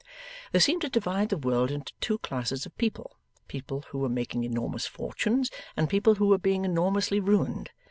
They seemed to divide the world into two classes of people; people who were making enormous fortunes, and people who were being enormously ruined.